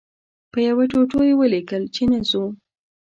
په یوه ټوټو یې ولیکل چې نه ځو.